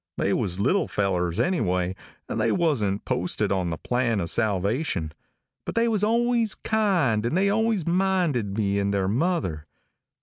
"They was little fellers, anyway, and they wasn't posted on the plan of salvation, but they was always kind and they always minded me and their mother.